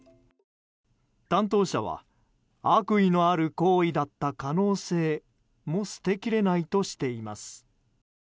担当者は悪意のある行為だった可能性も捨てきれないとしています。